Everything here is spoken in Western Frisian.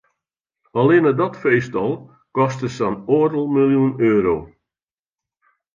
Allinne dat feest al koste sa'n oardel miljoen euro.